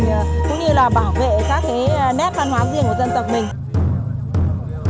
và cũng như là bảo vệ các cái nét văn hóa riêng của dân tộc mình